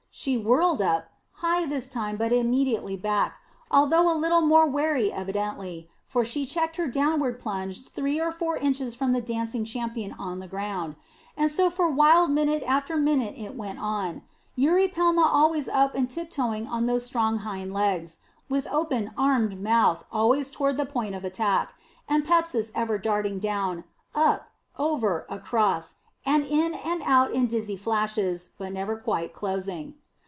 She whirled up, high this time but immediately back, although a little more wary evidently, for she checked her downward plunge three or four inches from the dancing champion on the ground. And so for wild minute after minute it went on; Eurypelma always up and tip toeing on those strong hind legs, with open, armed mouth always toward the point of attack, and Pepsis ever darting down, up, over, across, and in and out in dizzy dashes, but never quite closing.